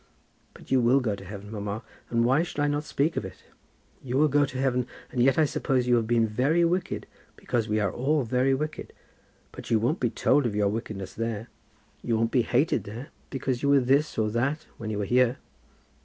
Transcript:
"But you will go to heaven, mamma, and why should I not speak of it? You will go to heaven, and yet I suppose you have been very wicked, because we are all very wicked. But you won't be told of your wickedness there. You won't be hated there, because you were this or that when you were here."